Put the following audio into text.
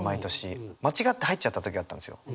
間違って入っちゃった時あったんですよ。